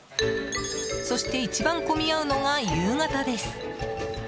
そして一番混み合うのが夕方です。